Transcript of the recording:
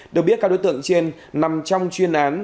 được biết các đối tượng trên nằm trong chuyên án